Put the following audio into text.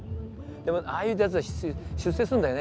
でもああいうやつは出世するんだよね。